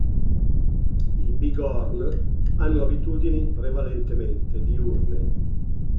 I bighorn hanno abitudini prevalentemente diurne.